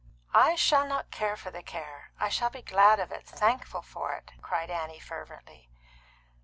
"I shall not care for the care. I shall be glad of it thankful for it," cried Annie fervidly.